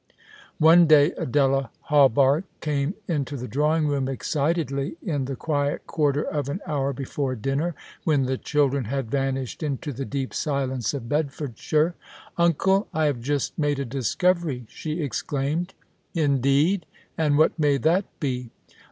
One day Adela Hawberk came into the drawing room excitedly, in the quiet quarter of an hour before dinner, when the children had vanished into the deep silence of Bedfordshire. " Uncle, I have just made a discovery," she exclaimed. " Indeed ? And what may that be